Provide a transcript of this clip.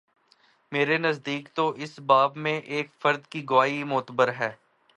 میرے نزدیک تواس باب میں ایک فرد کی گواہی معتبر ہے۔